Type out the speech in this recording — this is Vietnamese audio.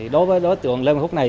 đối với đối tượng lê văn phúc này